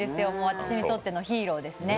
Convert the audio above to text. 私にとってのヒーローですね。